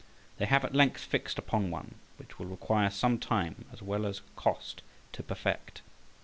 They have at length fixed upon one, which will require some time as well as cost to perfect.